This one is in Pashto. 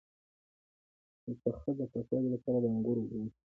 د تخه د پاکوالي لپاره د انګور اوبه وڅښئ